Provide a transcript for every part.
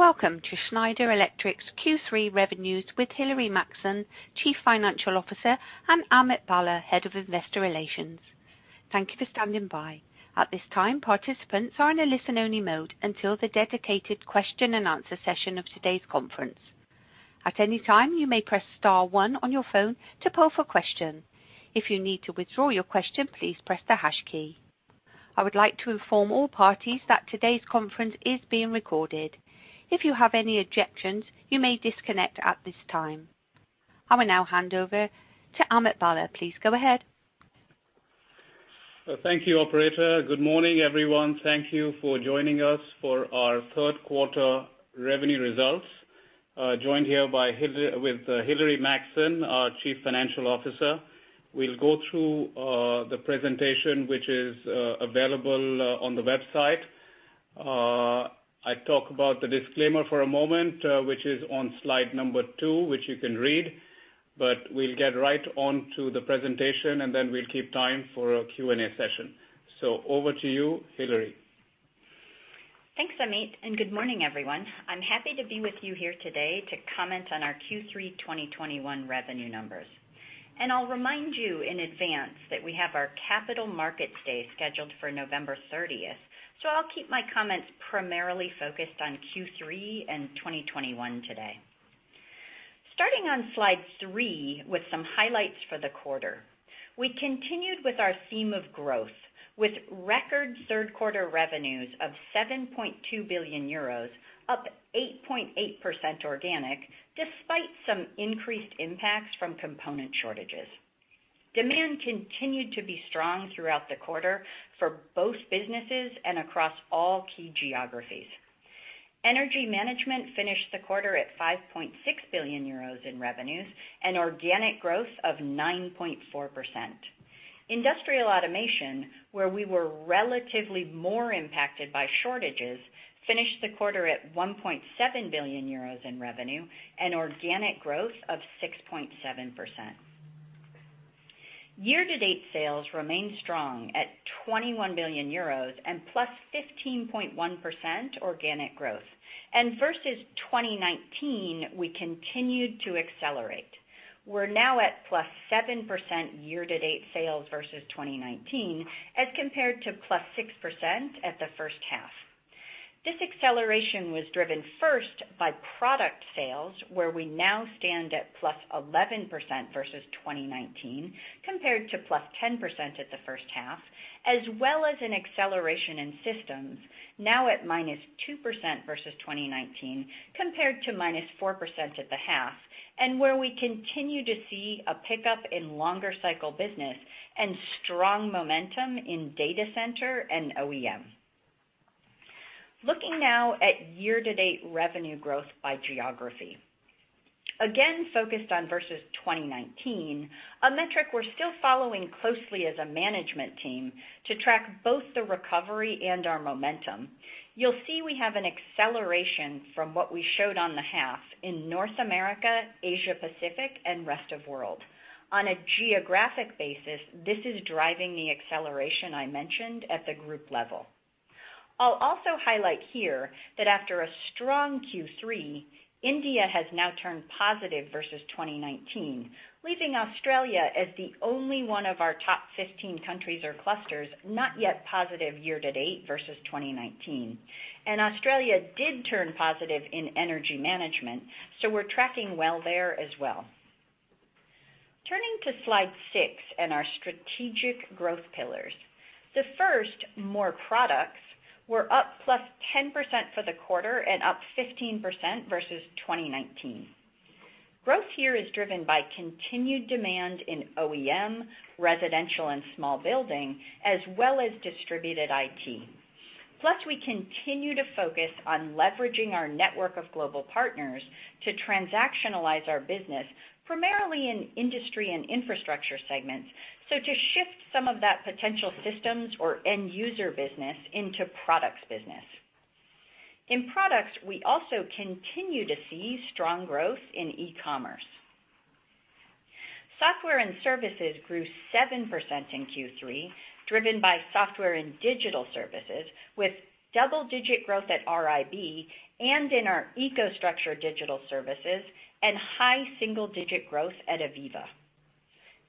Welcome to Schneider Electric's Q3 Revenues with Hilary Maxson, Chief Financial Officer, and Amit Bhalla, Head of Investor Relations. Thank you for standing by. At this time, participants are in a listen-only mode until the dedicated question-and-answer session of today's conference. At any time, you may press star one on your phone to ask a question. If you need to withdraw your question, please press the hash key. I would like to inform all parties that today's conference is being recorded. If you have any objections, you may disconnect at this time. I will now hand over to Amit Bhalla. Please go ahead. Thank you, operator. Good morning, everyone. Thank you for joining us for our third quarter revenue results. Joined here by Hilary Maxson, our Chief Financial Officer. We'll go through the presentation, which is available on the website. I talk about the disclaimer for a moment, which is on slide number two, which you can read, but we'll get right onto the presentation, and then we'll keep time for a Q&A session. Over to you, Hilary. Thanks, Amit, and good morning, everyone. I'm happy to be with you here today to comment on our Q3 2021 revenue numbers. I'll remind you in advance that we have our Capital Markets Day scheduled for November 30, so I'll keep my comments primarily focused on Q3 and 2021 today. Starting on slide three with some highlights for the quarter. We continued with our theme of growth, with record third quarter revenues of 7.2 billion euros, up 8.8% organic, despite some increased impacts from component shortages. Demand continued to be strong throughout the quarter for both businesses and across all key geographies. Energy Management finished the quarter at 5.6 billion euros in revenues and organic growth of 9.4%. Industrial Automation, where we were relatively more impacted by shortages, finished the quarter at 1.7 billion euros in revenue and organic growth of 6.7%. Year-to-date sales remained strong at 21 billion euros and +15.1% organic growth. Versus 2019, we continued to accelerate. We're now at +7% year-to-date sales versus 2019, as compared to +6% at the first half. This acceleration was driven first by product sales, where we now stand at +11% versus 2019, compared to +10% at the first half, as well as an acceleration in systems, now at -2% versus 2019, compared to -4% at the half, and where we continue to see a pickup in longer cycle business and strong momentum in data center and OEM. Looking now at year-to-date revenue growth by geography. Again, focused on versus 2019, a metric we're still following closely as a management team to track both the recovery and our momentum. You'll see we have an acceleration from what we showed on the half in North America, Asia Pacific, and Rest of World. On a geographic basis, this is driving the acceleration I mentioned at the group level. I'll also highlight here that after a strong Q3, India has now turned positive versus 2019, leaving Australia as the only one of our top 15 countries or clusters not yet positive year to date versus 2019. Australia did turn positive in Energy Management, so we're tracking well there as well. Turning to slide six and our strategic growth pillars. The first more products were up +10% for the quarter and up 15% versus 2019. Growth here is driven by continued demand in OEM, residential, and small building, as well as distributed IT. Plus, we continue to focus on leveraging our network of global partners to transactionalize our business, primarily in industry and infrastructure segments, so to shift some of that potential systems or end user business into products business. In products, we also continue to see strong growth in e-commerce. Software and services grew 7% in Q3, driven by software and digital services, with double-digit growth at RIB and in our EcoStruxure digital services and high single-digit growth at AVEVA.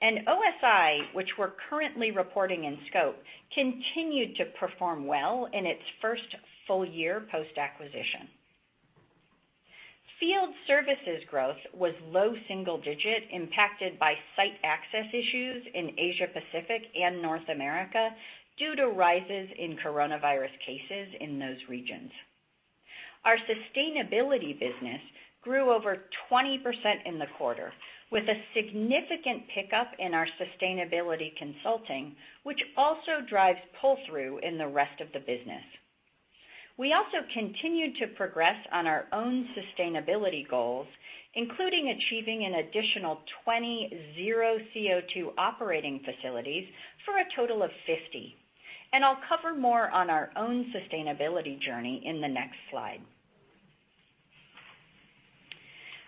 OSI, which we're currently reporting in scope, continued to perform well in its first full year post-acquisition. Field services growth was low single digit, impacted by site access issues in Asia Pacific and North America due to rises in coronavirus cases in those regions. Our sustainability business grew over 20% in the quarter, with a significant pickup in our sustainability consulting, which also drives pull-through in the rest of the business. We also continued to progress on our own sustainability goals, including achieving an additional 20 zero CO2 operating facilities for a total of 50. I'll cover more on our own sustainability journey in the next slide.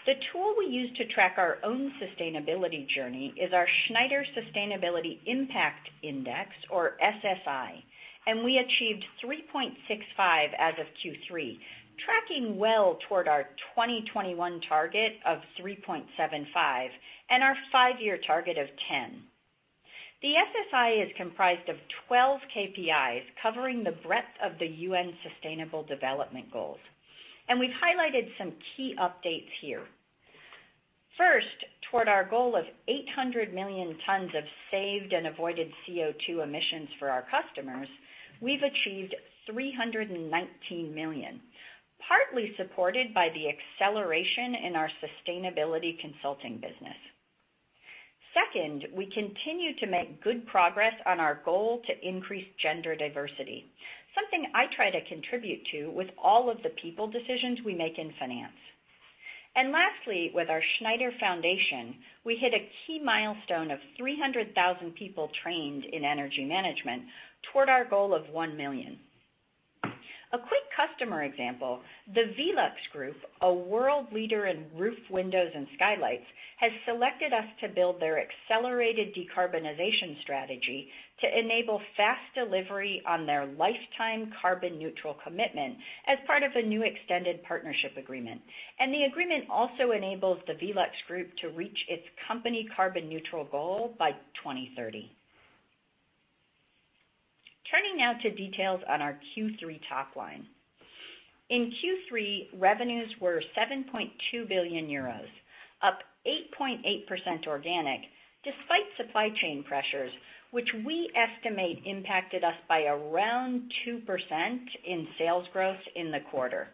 The tool we use to track our own sustainability journey is our Schneider Sustainability Impact Index, or SSI, and we achieved 3.65 as of Q3, tracking well toward our 2021 target of 3.75 and our five-year target of 10. The SSI is comprised of 12 KPIs covering the breadth of the UN Sustainable Development Goals. We've highlighted some key updates here. First, toward our goal of 800 million tons of saved and avoided CO2 emissions for our customers, we've achieved 319 million, partly supported by the acceleration in our sustainability consulting business. Second, we continue to make good progress on our goal to increase gender diversity, something I try to contribute to with all of the people decisions we make in finance. Lastly, with our Schneider Foundation, we hit a key milestone of 300,000 people trained in energy management toward our goal of 1 million. A quick customer example, the VELUX Group, a world leader in roof windows and skylights, has selected us to build their accelerated decarbonization strategy to enable fast delivery on their lifetime carbon neutral commitment as part of a new extended partnership agreement. The agreement also enables the VELUX Group to reach its company carbon neutral goal by 2030. Turning now to details on our Q3 top line. In Q3, revenues were 7.2 billion euros, up 8.8% organic despite supply chain pressures, which we estimate impacted us by around 2% in sales growth in the quarter.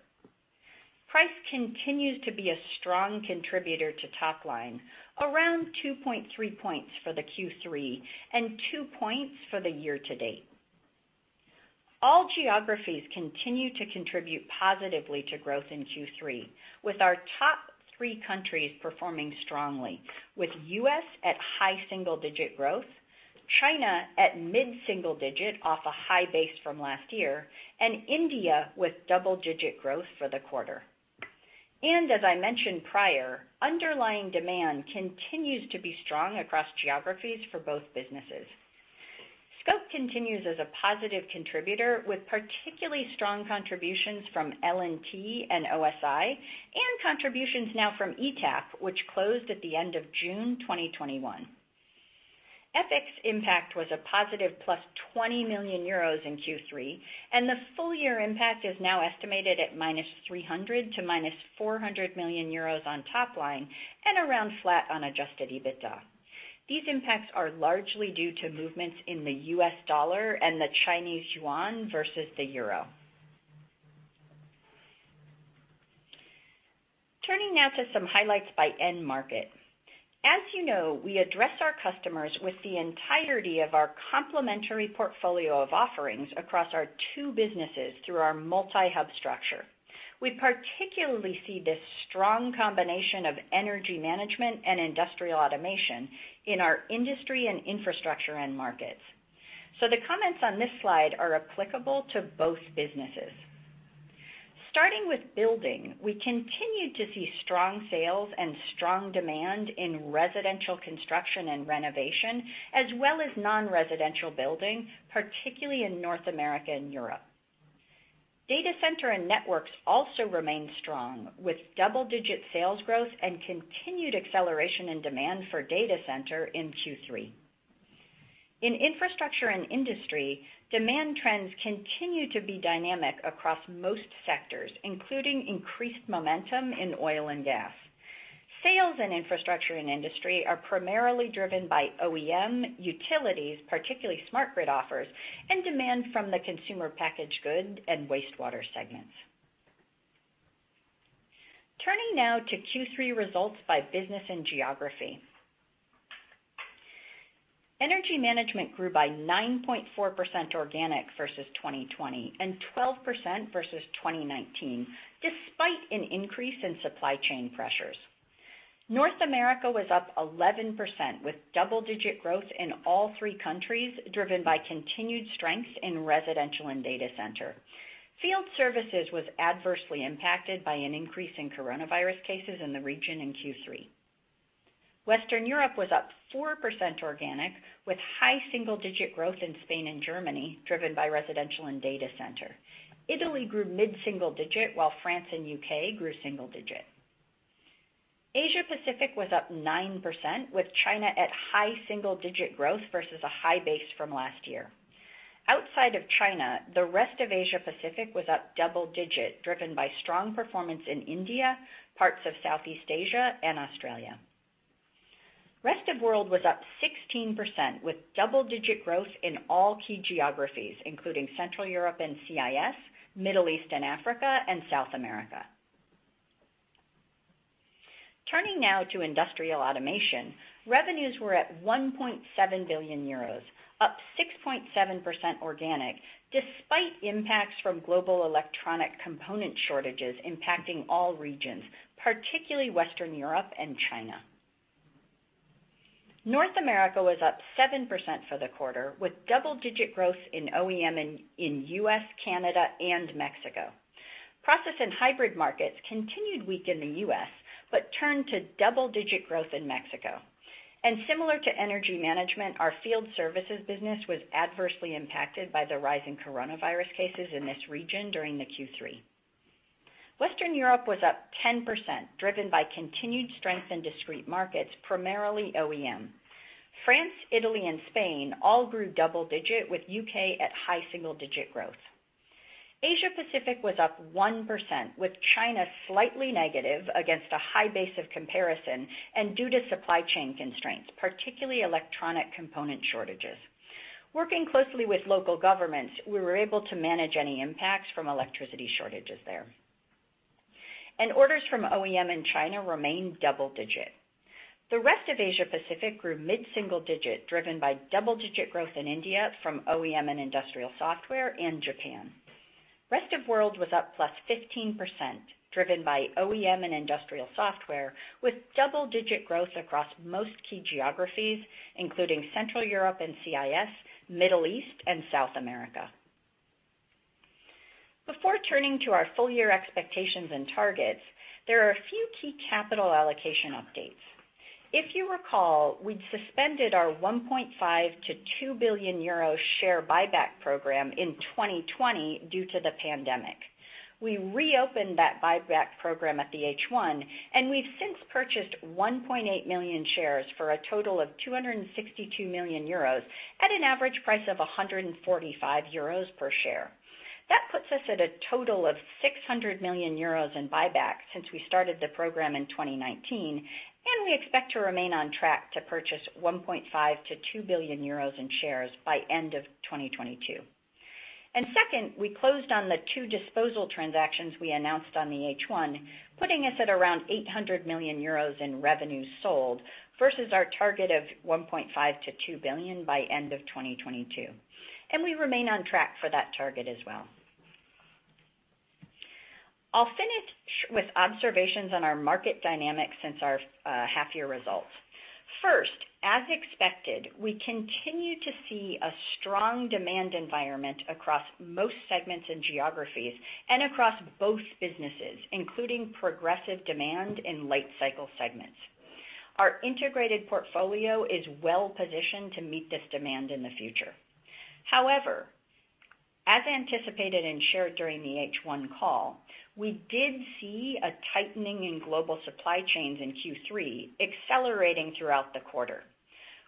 Price continues to be a strong contributor to top line, around 2.3 points for the Q3 and two points for the year to date. All geographies continue to contribute positively to growth in Q3, with our top three countries performing strongly, with U.S. at high single-digit growth, China at mid-single digit off a high base from last year, and India with double-digit growth for the quarter. As I mentioned prior, underlying demand continues to be strong across geographies for both businesses. Scope continues as a positive contributor, with particularly strong contributions from L&T and OSI and contributions now from ETAP, which closed at the end of June 2021. FX impact was +20 million euros in Q3, and the full year impact is now estimated at -300 million–-400 million euros on top line and around flat on adjusted EBITDA. These impacts are largely due to movements in the U.S. dollar and the Chinese yuan versus the euro. Turning now to some highlights by end market. As you know, we address our customers with the entirety of our complementary portfolio of offerings across our two businesses through our multi-hub structure. We particularly see this strong combination of Energy Management and Industrial Automation in our Industry and Infrastructure end markets. The comments on this slide are applicable to both businesses. Starting with Building, we continued to see strong sales and strong demand in residential construction and renovation, as well as non-residential building, particularly in North America and Europe. Data Center and Networks also remain strong, with double-digit sales growth and continued acceleration in demand for data center in Q3. In Infrastructure and Industry, demand trends continue to be dynamic across most sectors, including increased momentum in oil and gas. Sales in Infrastructure and Industry are primarily driven by OEM, utilities, particularly smart grid offers, and demand from the consumer packaged goods and wastewater segments. Turning now to Q3 results by business and geography. Energy Management grew by 9.4% organic versus 2020 and 12% versus 2019, despite an increase in supply chain pressures. North America was up 11% with double-digit growth in all three countries, driven by continued strength in residential and data center. Field services was adversely impacted by an increase in coronavirus cases in the region in Q3. Western Europe was up 4% organic, with high single-digit growth in Spain and Germany, driven by residential and data center. Italy grew mid-single-digit, while France and U.K. grew single-digit. Asia Pacific was up 9%, with China at high single-digit growth versus a high base from last year. Outside of China, the rest of Asia Pacific was up double-digit, driven by strong performance in India, parts of Southeast Asia and Australia. Rest of World was up 16% with double-digit growth in all key geographies, including Central Europe and CIS, Middle East and Africa and South America. Turning now to Industrial Automation, revenues were at 1.7 billion euros, up 6.7% organic, despite impacts from global electronic component shortages impacting all regions, particularly Western Europe and China. North America was up 7% for the quarter, with double-digit growth in OEM in U.S., Canada and Mexico. Process and hybrid markets continued weak in the U.S., but turned to double-digit growth in Mexico. Similar to Energy Management, our field services business was adversely impacted by the rising coronavirus cases in this region during the Q3. Western Europe was up 10%, driven by continued strength in discrete markets, primarily OEM. France, Italy, and Spain all grew double-digit, with U.K. at high single-digit growth. Asia Pacific was up 1%, with China slightly negative against a high base of comparison and due to supply chain constraints, particularly electronic component shortages. Working closely with local governments, we were able to manage any impacts from electricity shortages there. Orders from OEM in China remained double-digit. The rest of Asia Pacific grew mid-single-digit, driven by double-digit growth in India from OEM and industrial software in Japan. Rest of world was up 15%, driven by OEM and industrial software, with double-digit growth across most key geographies, including Central Europe and CIS, Middle East, and South America. Before turning to our full-year expectations and targets, there are a few key capital allocation updates. If you recall, we'd suspended our 1.5 billion-2 billion euro share buyback program in 2020 due to the pandemic. We reopened that buyback program at the H1, and we've since purchased 1.8 million shares for a total of 262 million euros at an average price of 145 euros per share. That puts us at a total of 600 million euros in buybacks since we started the program in 2019, and we expect to remain on track to purchase 1.5 billion-2 billion euros in shares by end of 2022. Second, we closed on the 2 disposal transactions we announced on the H1, putting us at around 800 million euros in revenue sold versus our target of 1.5 billion-2 billion by end of 2022. We remain on track for that target as well. I'll finish with observations on our market dynamics since our half year results. First, as expected, we continue to see a strong demand environment across most segments and geographies and across both businesses, including progressive demand in late cycle segments. Our integrated portfolio is well positioned to meet this demand in the future. However, as anticipated and shared during the H1 call, we did see a tightening in global supply chains in Q3 accelerating throughout the quarter.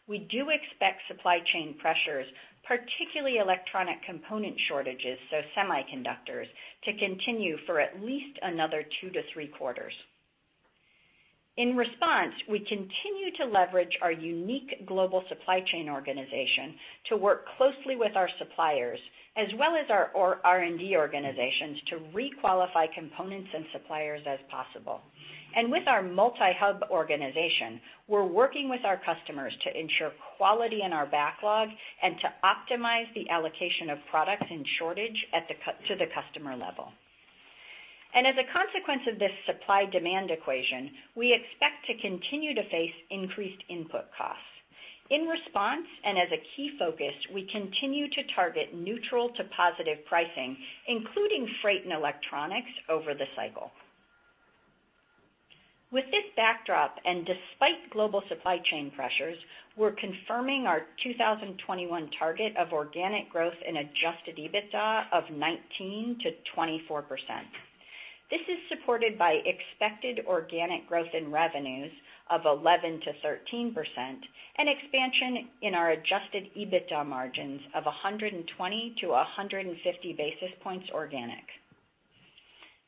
We do expect supply chain pressures, particularly electronic component shortages, so semiconductors, to continue for at least another 2-3 quarters. In response, we continue to leverage our unique global supply chain organization to work closely with our suppliers as well as our R&D organizations to requalify components and suppliers as possible. With our multi-hub organization, we're working with our customers to ensure quality in our backlog and to optimize the allocation of products in shortage to the customer level. As a consequence of this supply-demand equation, we expect to continue to face increased input costs. In response, and as a key focus, we continue to target neutral to positive pricing, including freight and electronics, over the cycle. With this backdrop, and despite global supply chain pressures, we're confirming our 2021 target of organic growth in adjusted EBITDA of 19%-24%. This is supported by expected organic growth in revenues of 11%-13%, an expansion in our adjusted EBITDA margins of 120-150 basis points organic.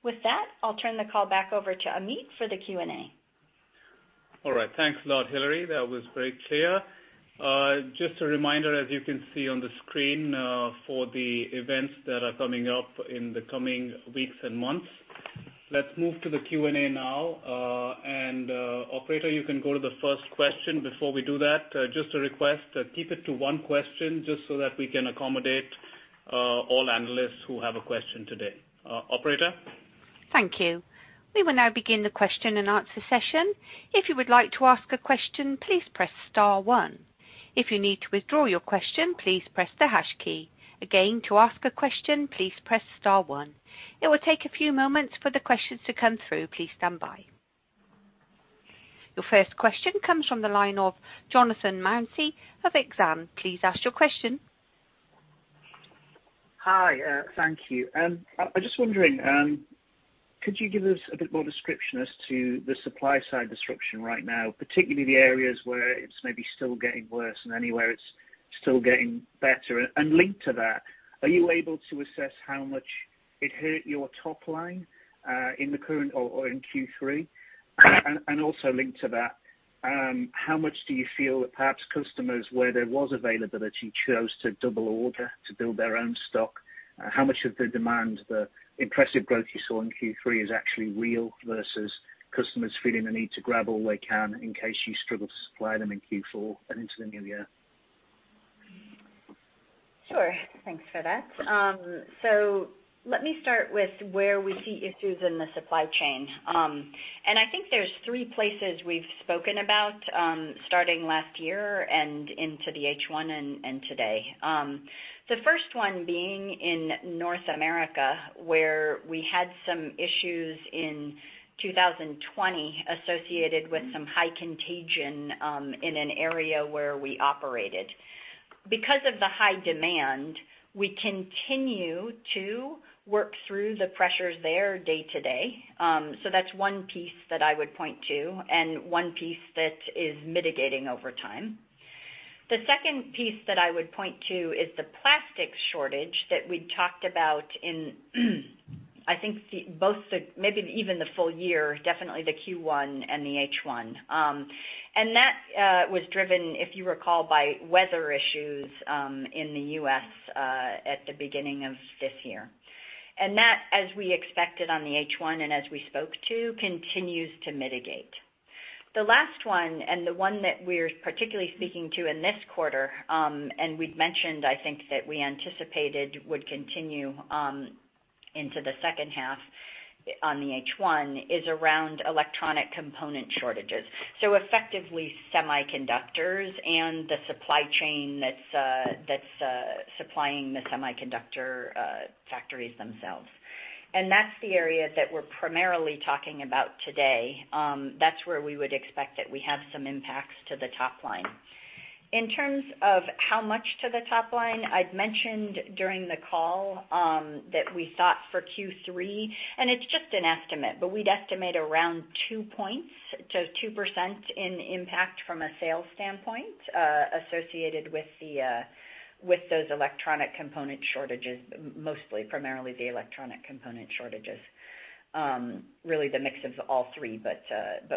With that, I'll turn the call back over to Amit for the Q&A. All right. Thanks a lot, Hilary. That was very clear. Just a reminder, as you can see on the screen, for the events that are coming up in the coming weeks and months. Let's move to the Q&A now. Operator, you can go to the first question. Before we do that, just a request, keep it to one question just so that we can accommodate all analysts who have a question today. Operator? Thank you. We will now begin the question-and-answer session. If you would like to ask a question, please press star one. If you need to withdraw your question, please press the hash key. Again, to ask a question, please press star one. It will take a few moments for the questions to come through. Please stand by. Your first question comes from the line of Jonathan Mounsey of Exane. Please ask your question. Hi, thank you. I was just wondering, could you give us a bit more description as to the supply side disruption right now, particularly the areas where it's maybe still getting worse and anywhere it's still getting better? And linked to that, are you able to assess how much it hurt your top line in the current or in Q3? And also linked to that, how much do you feel that perhaps customers, where there was availability, chose to double order to build their own stock? How much of the demand, the impressive growth you saw in Q3 is actually real versus customers feeling the need to grab all they can in case you struggle to supply them in Q4 and into the new year? Sure. Thanks for that. Let me start with where we see issues in the supply chain. I think there's three places we've spoken about, starting last year and into the H1 and today. The first one being in North America, where we had some issues in 2020 associated with some high contagion in an area where we operated. Because of the high demand, we continue to work through the pressures there day to day. That's one piece that I would point to, and one piece that is mitigating over time. The second piece that I would point to is the plastic shortage that we talked about in, I think both the, maybe even the full year, definitely the Q1 and the H1. That was driven, if you recall, by weather issues in the U.S. at the beginning of this year. That, as we expected on the H1 and as we spoke to, continues to mitigate. The last one, and the one that we're particularly speaking to in this quarter, and we'd mentioned, I think, that we anticipated would continue into the second half on the H1, is around electronic component shortages. Effectively semiconductors and the supply chain that's supplying the semiconductor factories themselves. That's the area that we're primarily talking about today. That's where we would expect that we have some impacts to the top line. In terms of how much to the top line, I'd mentioned during the call, that we thought for Q3, and it's just an estimate, but we'd estimate around 2 points-2% in impact from a sales standpoint, associated with those electronic component shortages, mostly primarily the electronic component shortages. Really the mix of all three, but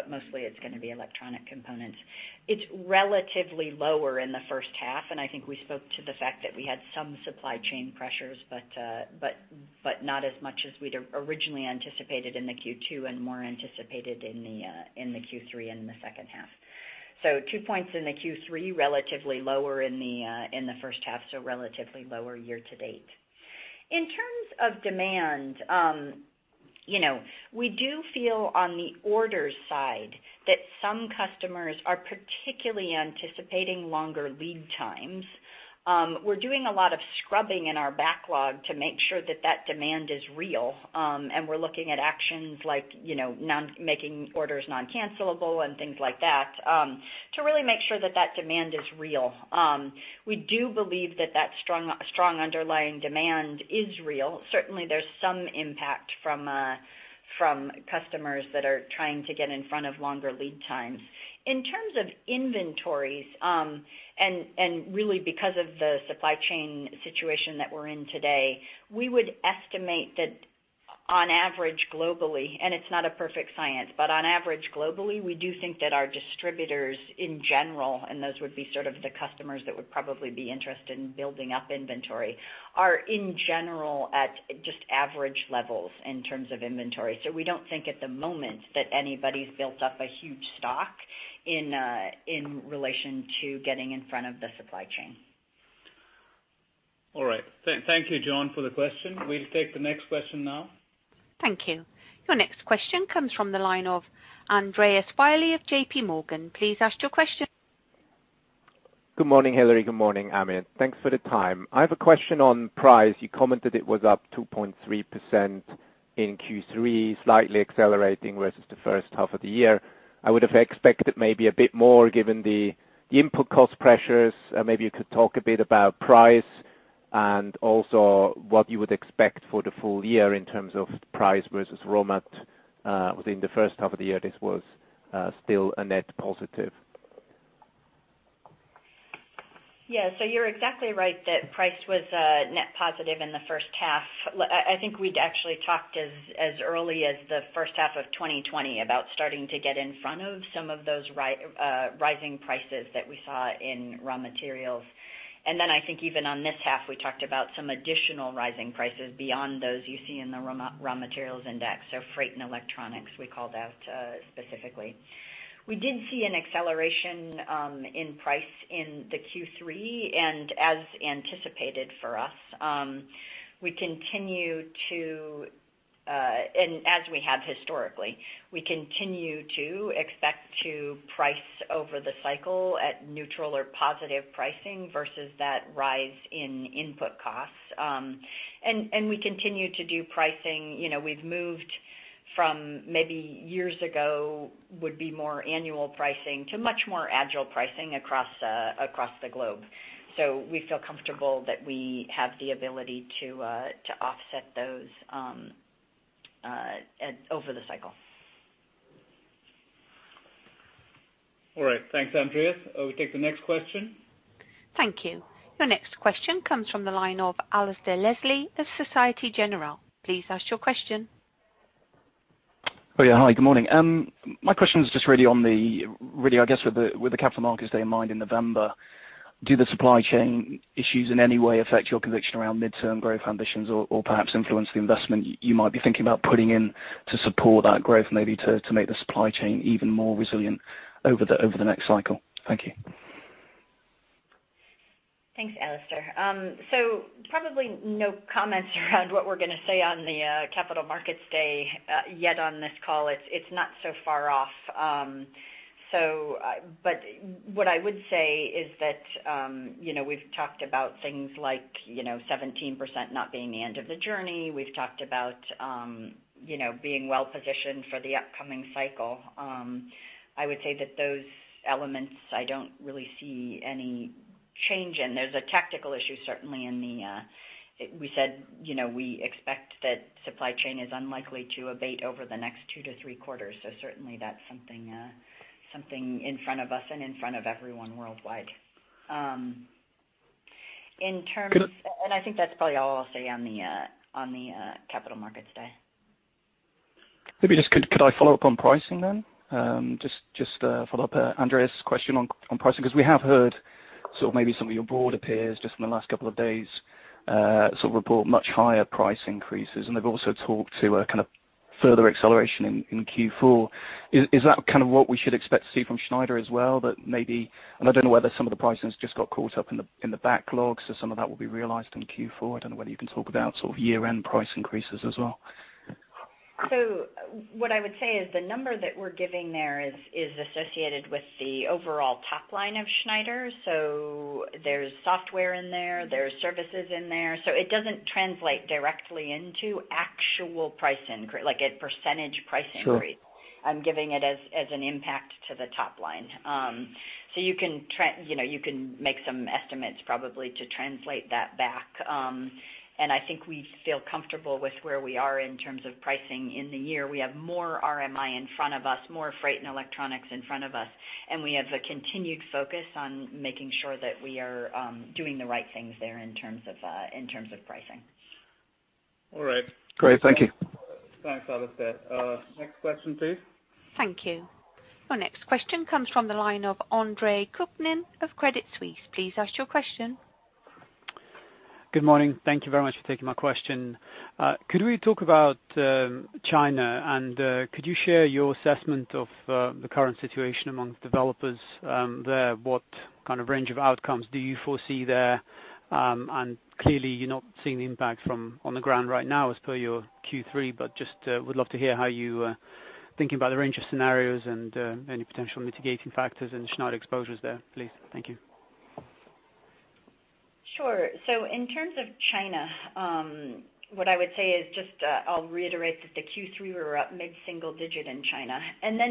mostly it's gonna be electronic components. It's relatively lower in the first half, and I think we spoke to the fact that we had some supply chain pressures, but not as much as we'd originally anticipated in the Q2 and more anticipated in the Q3 in the second half. 2 points in the Q3, relatively lower in the first half, so relatively lower year to date. In terms of demand, you know, we do feel on the orders side that some customers are particularly anticipating longer lead times. We're doing a lot of scrubbing in our backlog to make sure that demand is real, and we're looking at actions like, you know, making orders non-cancelable and things like that, to really make sure that demand is real. We do believe that strong underlying demand is real. Certainly there's some impact from customers that are trying to get in front of longer lead times. In terms of inventories, and really because of the supply chain situation that we're in today, we would estimate that on average globally, and it's not a perfect science, but on average globally, we do think that our distributors in general, and those would be sort of the customers that would probably be interested in building up inventory, are in general at just average levels in terms of inventory. We don't think at the moment that anybody's built up a huge stock in relation to getting in front of the supply chain. All right. Thank you, Jon, for the question. We'll take the next question now. Thank you. Your next question comes from the line of Andreas Willi of JPMorgan. Please ask your question. Good morning, Hilary. Good morning, Amit. Thanks for the time. I have a question on price. You commented it was up 2.3% in Q3, slightly accelerating versus the first half of the year. I would have expected maybe a bit more given the input cost pressures. Maybe you could talk a bit about price and also what you would expect for the full year in terms of price versus raw mat. Within the first half of the year, this was still a net positive. You're exactly right that price was net positive in the first half. I think we'd actually talked as early as the first half of 2020 about starting to get in front of some of those rising prices that we saw in raw materials. I think even on this half, we talked about some additional rising prices beyond those you see in the raw materials index. Freight and electronics, we called out specifically. We did see an acceleration in price in the Q3, and as anticipated for us, and as we have historically, we continue to expect to price over the cycle at neutral or positive pricing versus that rise in input costs. And we continue to do pricing. You know, we've moved from maybe years ago would be more annual pricing to much more agile pricing across the globe. We feel comfortable that we have the ability to offset those over the cycle. All right. Thanks, Andreas. We'll take the next question. Thank you. Your next question comes from the line of Alasdair Leslie of Société Générale. Please ask your question. Oh, yeah. Hi, good morning. My question is just really on the, really, I guess, with the Capital Markets Day in mind in November, do the supply chain issues in any way affect your conviction around midterm growth ambitions or perhaps influence the investment you might be thinking about putting in to support that growth, maybe to make the supply chain even more resilient over the next cycle? Thank you. Thanks, Alasdair. Probably no comments around what we're gonna say on the Capital Markets Day yet on this call. It's not so far off. But what I would say is that you know, we've talked about things like you know, 17% not being the end of the journey. We've talked about you know, being well-positioned for the upcoming cycle. I would say that those elements I don't really see any change in. There's a tactical issue, certainly. We said you know, we expect that supply chain is unlikely to abate over the next two-three quarters. Certainly that's something in front of us and in front of everyone worldwide. In terms- Could, uh- I think that's probably all I'll say on the Capital Markets Day. Could I just follow up on pricing then? Just follow up Andreas' question on pricing, because we have heard sort of maybe some of your peers just in the last couple of days sort of reported much higher price increases, and they've also talked about a kind of further acceleration in Q4. Is that kind of what we should expect to see from Schneider as well, that maybe and I don't know whether some of the pricing has just got caught up in the backlogs, so some of that will be realized in Q4. I don't know whether you can talk about sort of year-end price increases as well. What I would say is the number that we're giving there is associated with the overall top line of Schneider. There's software in there's services in there. It doesn't translate directly into actual price increase, like a percentage price increase. Sure. I'm giving it as an impact to the top line. You can trend, you know, you can make some estimates probably to translate that back. I think we feel comfortable with where we are in terms of pricing in the year. We have more RMI in front of us, more freight and electronics in front of us, and we have a continued focus on making sure that we are doing the right things there in terms of pricing. All right. Great. Thank you. Thanks, Alasdair. Next question, please. Thank you. Our next question comes from the line of Andre Kukhnin of Credit Suisse. Please ask your question. Good morning. Thank you very much for taking my question. Could we talk about China? Could you share your assessment of the current situation among developers there? What kind of range of outcomes do you foresee there? Clearly you're not seeing the impact from on the ground right now as per your Q3, but just would love to hear how you thinking about the range of scenarios and any potential mitigating factors and Schneider exposures there, please. Thank you. Sure. In terms of China, what I would say is just, I'll reiterate that the Q3, we were up mid-single-digit% in China.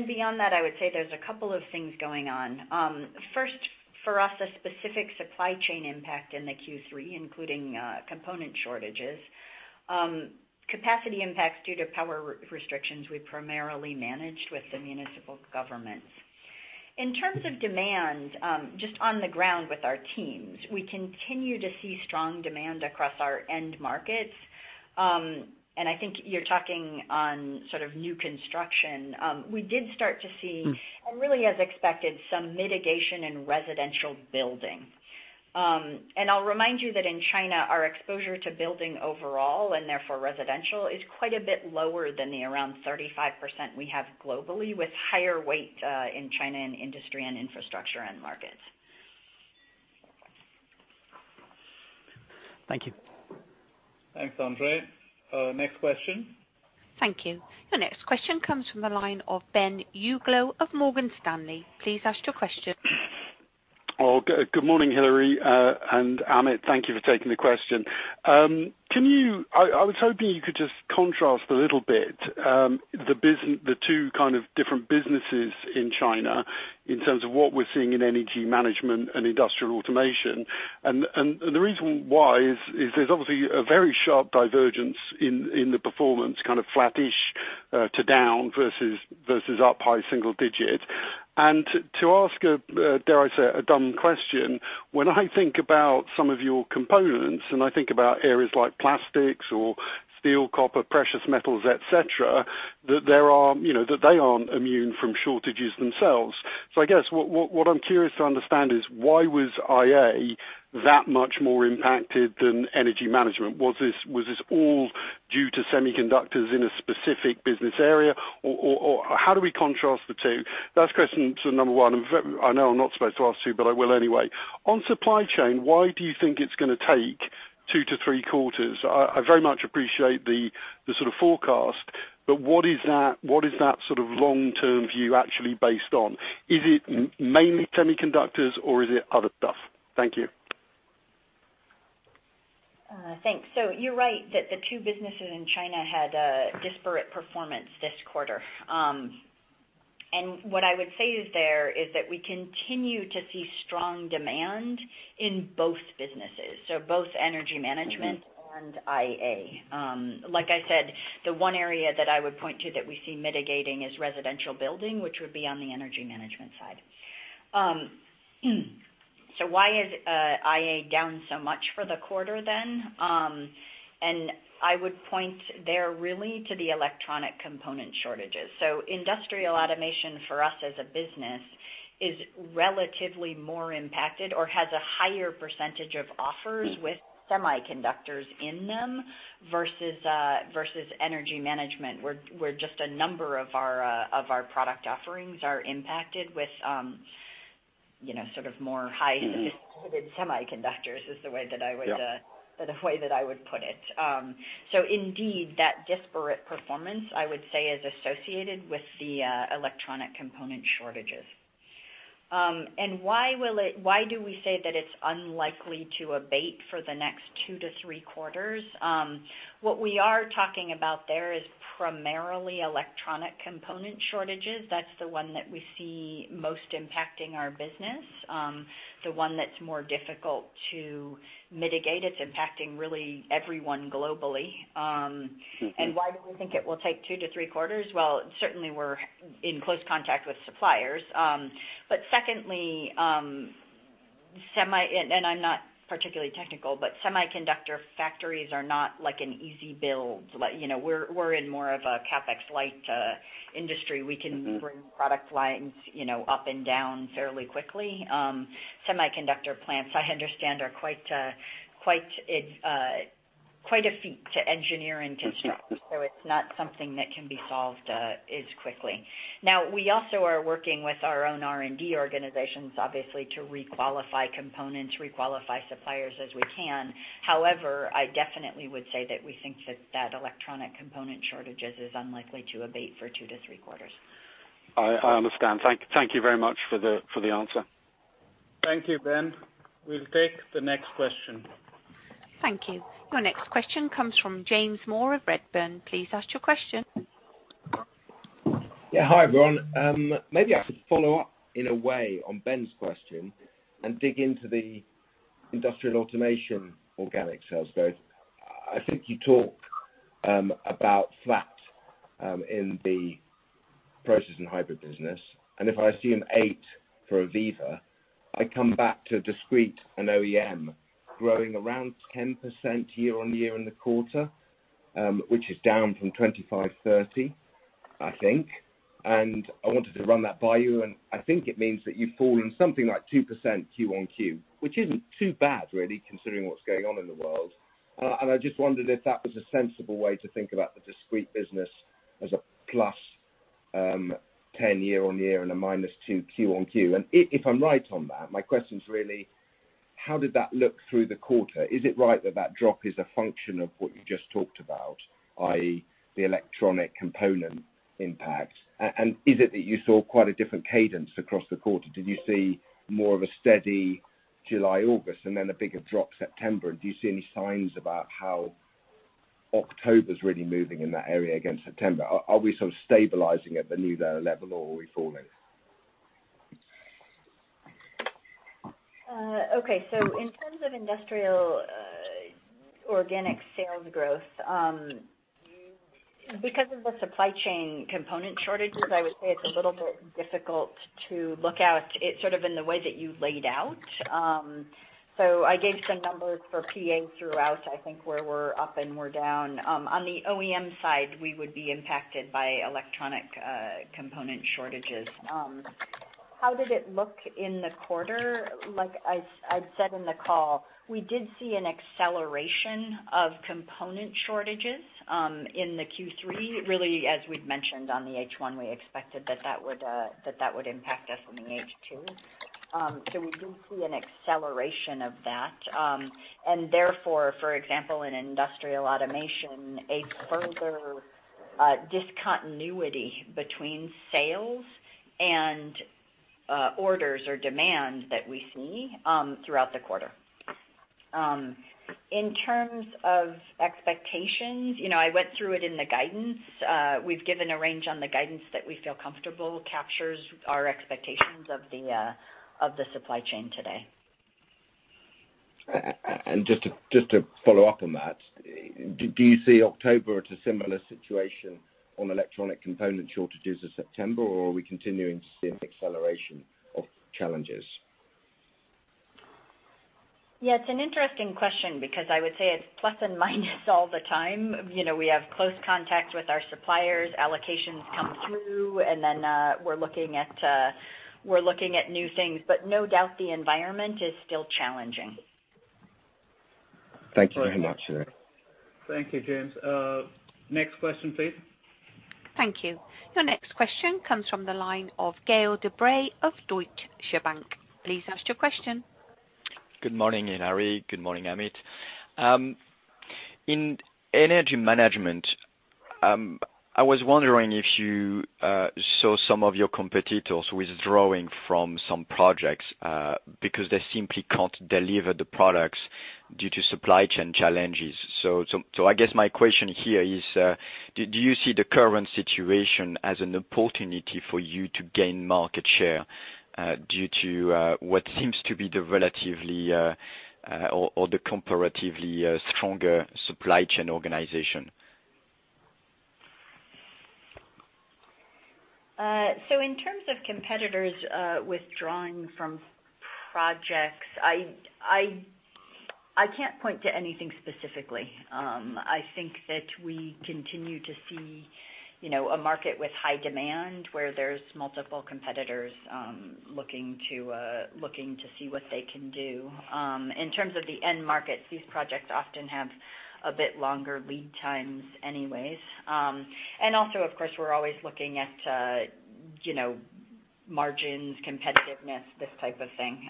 Beyond that, I would say there's a couple of things going on. First for us, a specific supply chain impact in the Q3, including component shortages. Capacity impacts due to power restrictions we primarily managed with the municipal governments. In terms of demand, just on the ground with our teams, we continue to see strong demand across our end markets. I think you're talking on sort of new construction. We did start to see- Mm-hmm. Really as expected, some mitigation in residential building. I'll remind you that in China, our exposure to building overall, and therefore residential, is quite a bit lower than the around 35% we have globally with higher weight in China in industry and infrastructure end markets. Thank you. Thanks, Andre. Next question. Thank you. The next question comes from the line of Ben Uglow of Morgan Stanley. Please ask your question. Oh, good morning, Hilary, and Amit. Thank you for taking the question. I was hoping you could just contrast a little bit, the two kind of different businesses in China in terms of what we're seeing in Energy Management and Industrial Automation. The reason why is there's obviously a very sharp divergence in the performance, kind of flattish to down versus up high single digits. To ask, dare I say, a dumb question, when I think about some of your components, and I think about areas like plastics or steel, copper, precious metals, et cetera, that there are, you know, that they aren't immune from shortages themselves. I guess what I'm curious to understand is why was IA that much more impacted than Energy Management? Was this all due to semiconductors in a specific business area? Or how do we contrast the two? That's question number one. I know I'm not supposed to ask two, but I will anyway. On supply chain, why do you think it's gonna take two-three quarters? I very much appreciate the sort of forecast, but what is that sort of long-term view actually based on? Is it mainly semiconductors or is it other stuff? Thank you. Thanks. You're right that the two businesses in China had a disparate performance this quarter. What I would say is there is that we continue to see strong demand in both businesses, so both Energy Management and IA. Like I said, the one area that I would point to that we see mitigating is residential building, which would be on the Energy Management side. Why is IA down so much for the quarter then? I would point there really to the electronic component shortages. Industrial Automation for us as a business is relatively more impacted or has a higher percentage of offers with semiconductors in them versus energy management, where just a number of our product offerings are impacted with sort of more high- Mm-hmm Sophisticated semiconductors is the way that I would. Yeah The way that I would put it. Indeed, that disparate performance, I would say, is associated with the electronic component shortages. Why do we say that it's unlikely to abate for the next 2-3 quarters? What we are talking about there is primarily electronic component shortages. That's the one that we see most impacting our business, the one that's more difficult to mitigate. It's impacting really everyone globally. Mm-hmm Why do we think it will take 2-3 quarters? Well, certainly we're in close contact with suppliers. Secondly, and I'm not particularly technical, but semiconductor factories are not like an easy build. Like, you know, we're in more of a CapEx-light industry. We can Mm-hmm Bring product lines, you know, up and down fairly quickly. Semiconductor plants, I understand, are quite a feat to engineer and construct. It's not something that can be solved as quickly. Now, we also are working with our own R&D organizations, obviously, to requalify components, requalify suppliers as we can. However, I definitely would say that we think that electronic component shortages is unlikely to abate for two-three quarters. I understand. Thank you very much for the answer. Thank you, Ben. We'll take the next question. Thank you. Your next question comes from James Moore of Redburn. Please ask your question. Yeah. Hi, everyone. Maybe I should follow up in a way on Ben's question and dig into the Industrial Automation organic sales growth. I think you talk about flat in the process and hybrid business. If I see an 8% for AVEVA, I come back to discrete and OEM growing around 10% year-on-year in the quarter, which is down from 25-30, I think. I wanted to run that by you, and I think it means that you've fallen something like 2% Q-on-Q, which isn't too bad really, considering what's going on in the world. I just wondered if that was a sensible way to think about the discrete business as a +10 year-on-year and a -2 Q-on-Q. If I'm right on that, my question's really how did that look through the quarter? Is it right that that drop is a function of what you just talked about, i.e., the electronic component impact? Is it that you saw quite a different cadence across the quarter? Did you see more of a steady July, August, and then a bigger drop September? Do you see any signs about how October's really moving in that area against September? Are we sort of stabilizing at the new level or are we falling? Okay. In terms of industrial organic sales growth, because of the supply chain component shortages, I would say it's a little bit difficult to look out at sort of in the way that you laid out. I gave some numbers for PA throughout, I think where we're up and we're down. On the OEM side, we would be impacted by electronic component shortages. How did it look in the quarter? Like I said in the call, we did see an acceleration of component shortages in the Q3, really as we'd mentioned on the H1, we expected that would impact us in the H2. We do see an acceleration of that. Therefore, for example, in Industrial Automation, a further discontinuity between sales and orders or demand that we see throughout the quarter. In terms of expectations, you know, I went through it in the guidance. We've given a range on the guidance that we feel comfortable captures our expectations of the supply chain today. Just to follow up on that, do you see October as a similar situation on electronic component shortages as September, or are we continuing to see an acceleration of challenges? Yeah, it's an interesting question because I would say it's plus and minus all the time. You know, we have close contact with our suppliers, allocations come through, and then, we're looking at new things, but no doubt, the environment is still challenging. Thank you very much. Thank you, James. Next question, please. Thank you. Your next question comes from the line of Gaël De Bray of Deutsche Bank. Please ask your question. Good morning, Hilary. Good morning, Amit. In Energy Management, I was wondering if you saw some of your competitors withdrawing from some projects because they simply can't deliver the products due to supply chain challenges. I guess my question here is, do you see the current situation as an opportunity for you to gain market share due to what seems to be the relatively or the comparatively stronger supply chain organization? In terms of competitors withdrawing from projects, I can't point to anything specifically. I think that we continue to see, you know, a market with high demand where there's multiple competitors looking to see what they can do. In terms of the end markets, these projects often have a bit longer lead times anyways. Also, of course, we're always looking at, you know, margins, competitiveness, this type of thing.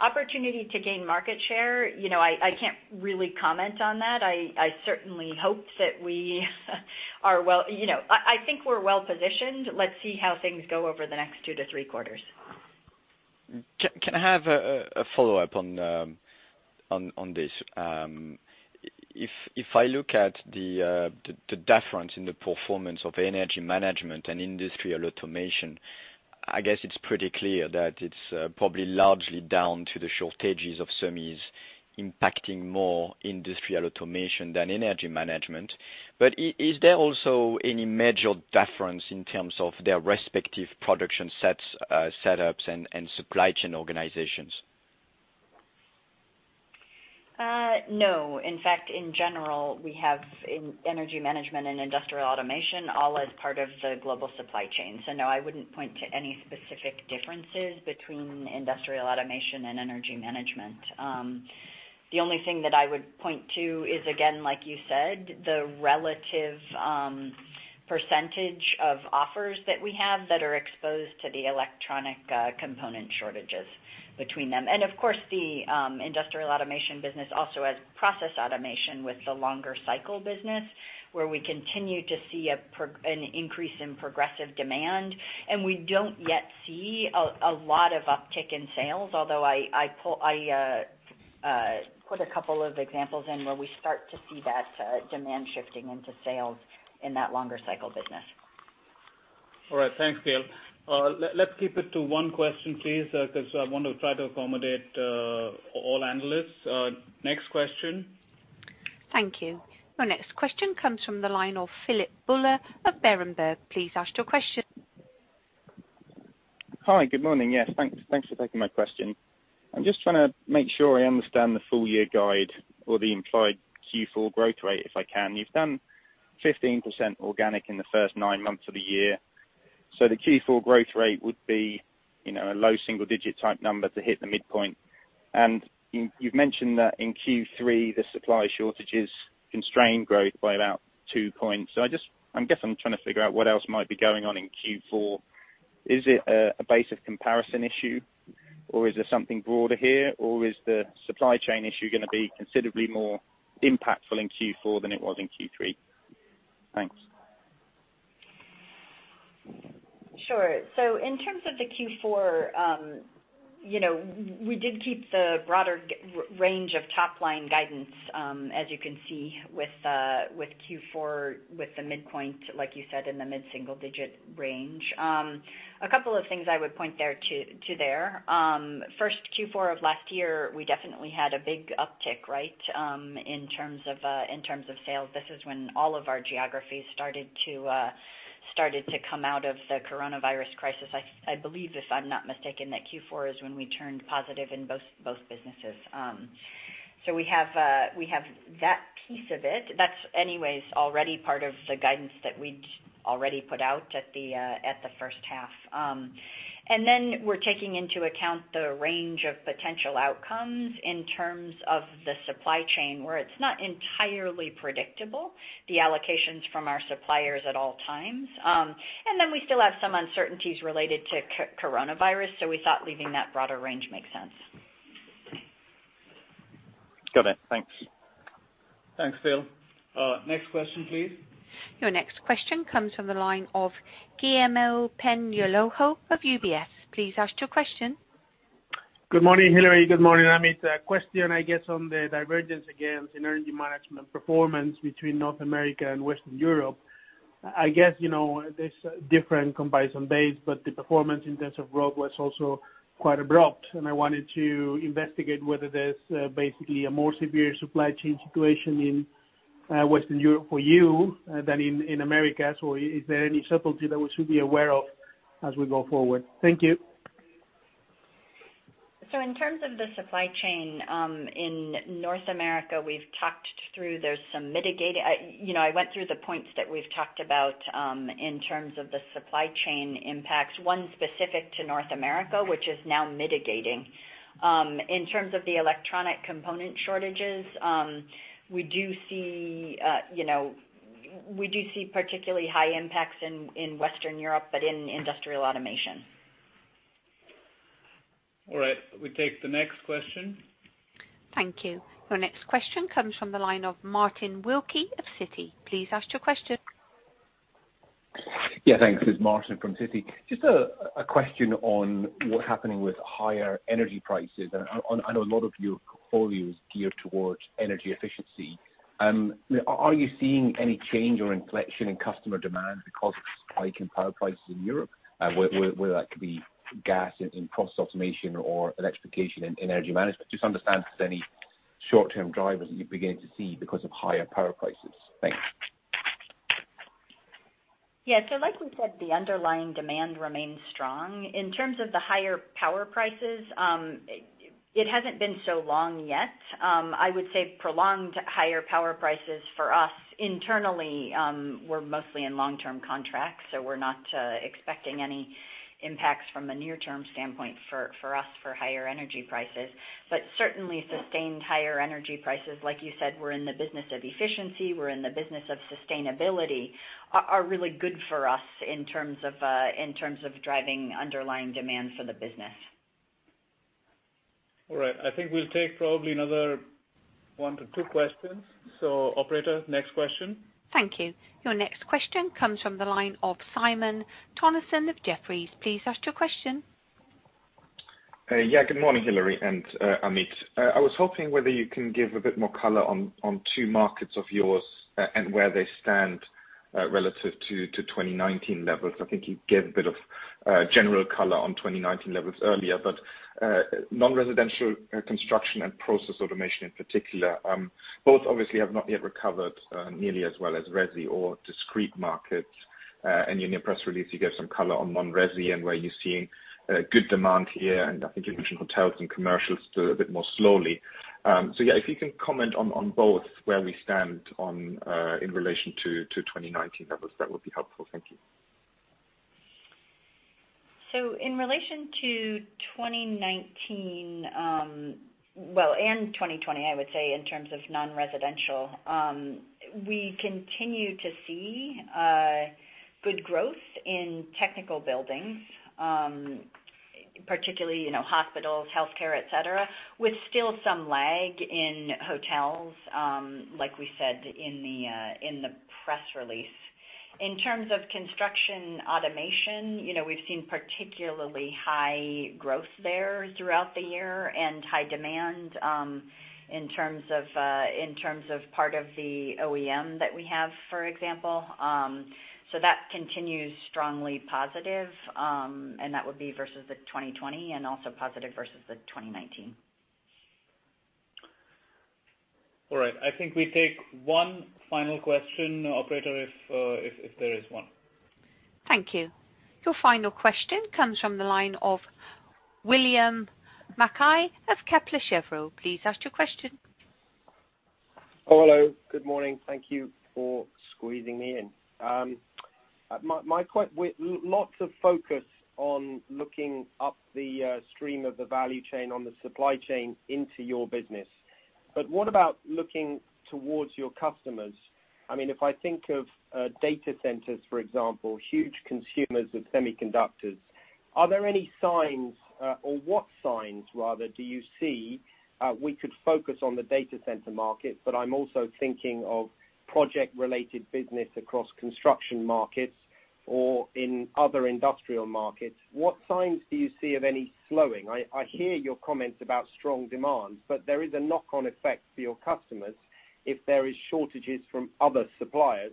Opportunity to gain market share, you know, I can't really comment on that. I certainly hope that we are well-positioned. Let's see how things go over the next two-three quarters. Can I have a follow-up on this? If I look at the difference in the performance of Energy Management and Industrial Automation, I guess it's pretty clear that it's probably largely down to the shortages of semis impacting more Industrial Automation than Energy Management. But is there also any major difference in terms of their respective production sites, setups and supply chain organizations? No. In fact, in general, we have in Energy Management and Industrial Automation all as part of the global supply chain. No, I wouldn't point to any specific differences between Industrial Automation and Energy Management. The only thing that I would point to is again, like you said, the relative percentage of offers that we have that are exposed to the electronic component shortages between them. Of course the Industrial Automation business also has process automation with the longer cycle business, where we continue to see an increase in progressive demand. We don't yet see a lot of uptick in sales, although I put a couple of examples in where we start to see that demand shifting into sales in that longer cycle business. All right. Thanks, Gaël. Let's keep it to one question, please, 'cause I want to try to accommodate all analysts. Next question. Thank you. Our next question comes from the line of Philip Buller of Berenberg. Please ask your question. Hi. Good morning. Yes, thanks. Thanks for taking my question. I'm just trying to make sure I understand the full year guide or the implied Q4 growth rate, if I can. You've done 15% organic in the first nine months of the year, so the Q4 growth rate would be, you know, a low single digit type number to hit the midpoint. You, you've mentioned that in Q3, the supply shortages constrained growth by about two points. I just, I guess I'm trying to figure out what else might be going on in Q4. Is it a base of comparison issue or is there something broader here, or is the supply chain issue gonna be considerably more impactful in Q4 than it was in Q3? Thanks. Sure. In terms of the Q4, you know, we did keep the broader range of top-line guidance, as you can see with Q4, with the midpoint, like you said, in the mid-single digit range. A couple of things I would point to. First Q4 of last year, we definitely had a big uptick, right, in terms of sales. This is when all of our geographies started to come out of the coronavirus crisis. I believe, if I'm not mistaken, that Q4 is when we turned positive in both businesses. We have that piece of it. That's anyways already part of the guidance that we'd already put out at the first half. We're taking into account the range of potential outcomes in terms of the supply chain, where it's not entirely predictable, the allocations from our suppliers at all times. We still have some uncertainties related to coronavirus, so we thought leaving that broader range makes sense. Got it. Thanks. Thanks, Phil. Next question, please. Your next question comes from the line of Guillermo Peigneux-Lojo of UBS. Please ask your question. Good morning, Hilary. Good morning, Amit. A question, I guess, on the divergence against Energy Management performance between North America and Western Europe. I guess, you know, there's different comparison base, but the performance in terms of growth was also quite abrupt, and I wanted to investigate whether there's basically a more severe supply chain situation in Western Europe for you than in Americas, or is there any subtlety that we should be aware of as we go forward? Thank you. In terms of the supply chain in North America, we've talked through. You know, I went through the points that we've talked about in terms of the supply chain impacts, one specific to North America, which is now mitigating. In terms of the electronic component shortages, we do see, you know, particularly high impacts in Western Europe, but in Industrial Automation. All right, we take the next question. Thank you. Our next question comes from the line of Martin Wilkie of Citi. Please ask your question. Yeah. Thanks. It's Martin Wilkie from Citi. Just a question on what's happening with higher energy prices. I know a lot of your portfolio is geared towards energy efficiency. Are you seeing any change or inflection in customer demand because of the spike in power prices in Europe, whether that could be gas in process automation or electrification in energy management? Just understand if there's any short-term drivers that you begin to see because of higher power prices. Thanks. Yeah. Like we said, the underlying demand remains strong. In terms of the higher power prices, it hasn't been so long yet. I would say prolonged higher power prices for us internally, we're mostly in long-term contracts, so we're not expecting any impacts from a near-term standpoint for us for higher energy prices. Certainly sustained higher energy prices, like you said, we're in the business of efficiency, we're in the business of sustainability, are really good for us in terms of driving underlying demand for the business. All right. I think we'll take probably another one-two questions. Operator, next question. Thank you. Your next question comes from the line of Simon Toennessen of Jefferies. Please ask your question. Yeah, good morning, Hilary and Amit. I was hoping if you can give a bit more color on two markets of yours, and where they stand relative to 2019 levels. I think you gave a bit of general color on 2019 levels earlier, but non-residential construction and process automation in particular, both obviously have not yet recovered nearly as well as resi or discrete markets. In your press release, you gave some color on non-resi and where you're seeing good demand here, and I think you mentioned hotels and commercial still a bit more slowly. Yeah. If you can comment on both, where we stand in relation to 2019 levels, that would be helpful. Thank you. In relation to 2019, and 2020, I would say in terms of non-residential, we continue to see good growth in technical buildings, particularly, you know, hospitals, healthcare, et cetera, with still some lag in hotels, like we said in the press release. In terms of discrete automation, you know, we've seen particularly high growth there throughout the year and high demand, in terms of part of the OEM that we have, for example. So that continues strongly positive, and that would be versus the 2020 and also positive versus the 2019. All right. I think we take one final question, operator, if there is one. Thank you. Your final question comes from the line of William Mackie of Kepler Cheuvreux. Please ask your question. Oh, hello. Good morning. Thank you for squeezing me in. With lots of focus on looking upstream in the supply chain into your business, but what about looking towards your customers? I mean, if I think of data centers, for example, huge consumers of semiconductors, are there any signs, or what signs rather do you see? We could focus on the data center market, but I'm also thinking of project-related business across construction markets or in other industrial markets. What signs do you see of any slowing? I hear your comments about strong demand, but there is a knock-on effect for your customers if there is shortages from other suppliers,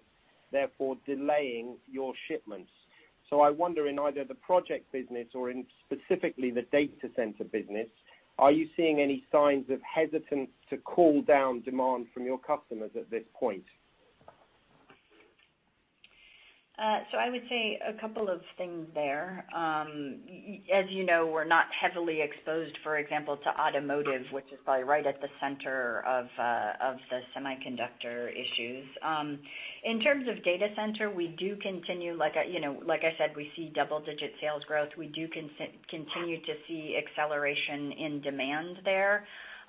therefore delaying your shipments. I wonder in either the project business or in specifically the data center business, are you seeing any signs of hesitance to call down demand from your customers at this point? I would say a couple of things there. As you know, we're not heavily exposed, for example, to automotive, which is probably right at the center of the semiconductor issues. In terms of data center, we do continue like, you know, like I said, we see double-digit sales growth. We do continue to see acceleration in demand there.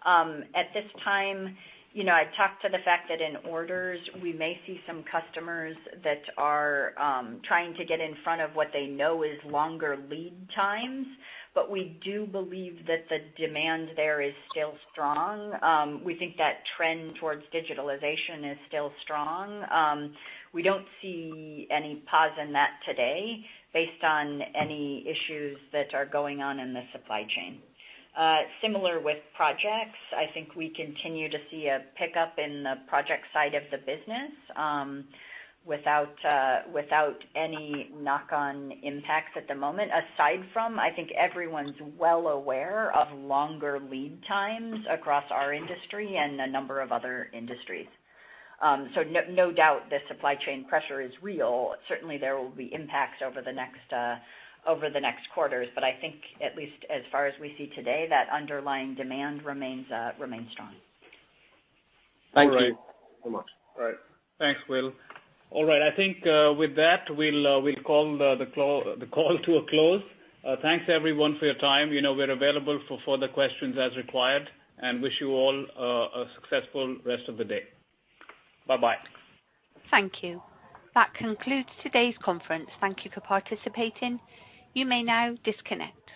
At this time, you know, I talked to the fact that in orders we may see some customers that are trying to get in front of what they know is longer lead times, but we do believe that the demand there is still strong. We think that trend towards digitalization is still strong. We don't see any pause in that today based on any issues that are going on in the supply chain. Similar with projects, I think we continue to see a pickup in the project side of the business, without any knock-on impacts at the moment. Aside from, I think everyone's well aware of longer lead times across our industry and a number of other industries. No doubt the supply chain pressure is real. Certainly, there will be impacts over the next quarters. I think at least as far as we see today, that underlying demand remains strong. Thank you very much. All right. Thanks, Will. All right. I think with that, we'll call the call to a close. Thanks everyone for your time. You know we're available for further questions as required, and wish you all a successful rest of the day. Bye-bye. Thank you. That concludes today's conference. Thank you for participating. You may now disconnect.